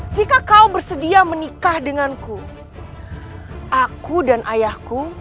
jika kau bersedia menikah denganku aku dan ayahku